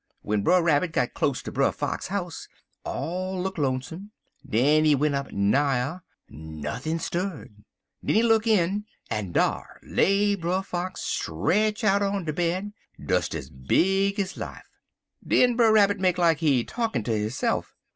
W'en Brer Rabbit got close ter Brer Fox house, all look lonesome. Den he went up nigher. Nobody stirrin'. Den he look in, en dar lay Brer Fox stretch out on de bed des es big ez life. Den Brer Rabbit make like he talkin' to hisse'f.